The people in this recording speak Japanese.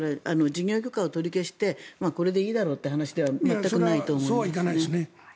事業許可を取り消してこれでいいだろうという話では全くないと思います。